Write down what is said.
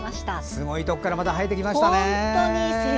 すごいところから生えてきましたね。